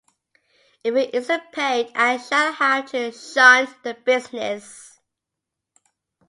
If it isn't paid I shall have to shunt the business.